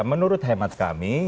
menurut hemat kami